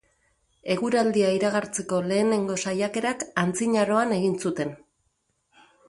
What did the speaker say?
Eguraldia iragartzeko lehenengo saiakerak antzinaroan egin zuten.